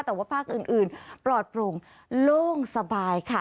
แต่ว่าภาคอื่นปลอดโปร่งโล่งสบายค่ะ